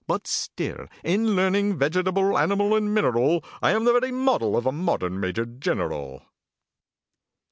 But still in learning vegetable, animal, and mineral, I am the very model of a modern Major Gineral.